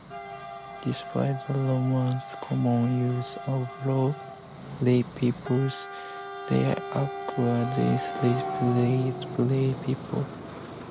Despite the Romans' common use of lead pipes, their aqueducts rarely poisoned people.